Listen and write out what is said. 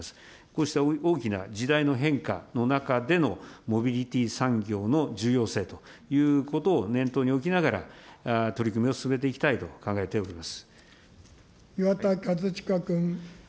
こうした大きな時代の変化の中でのモビリティ産業の重要性ということを念頭に置きながら、取り組みを進めていきたいと考えており岩田和親君。